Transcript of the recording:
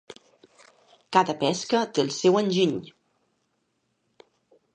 Cada pesca té el seu enginy.